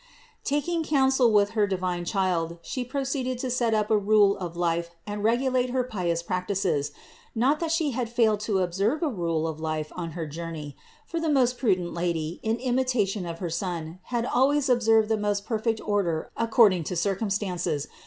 Taking counsel with her divine Child She pro ceeded to set up a rule of life and regulate her pious practices; not that She had failed to observe a rule of life on her journey; for the most prudent Lady, in imita tion of her Son, had always observed the most perfect order according to circumstances.